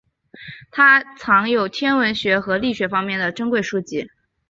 他藏有天文学和力学方面的珍贵书籍。